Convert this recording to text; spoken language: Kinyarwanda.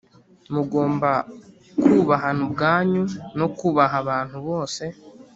mugomba kubahana ubwanyu no kubaha abantu bose